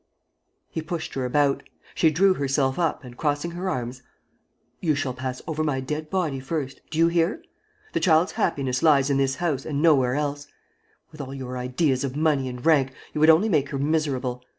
He pushed her about. She drew herself up and, crossing her arms: "You shall pass over my dead body first, do you hear? The child's happiness lies in this house and nowhere else. ... With all your ideas of money and rank, you would only make her miserable.